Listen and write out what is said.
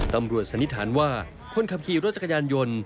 สันนิษฐานว่าคนขับขี่รถจักรยานยนต์